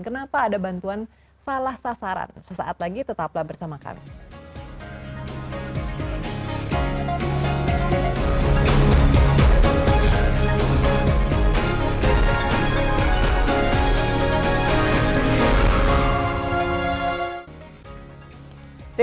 kenapa ada bantuan salah sasaran sesaat lagi tetaplah bersama kami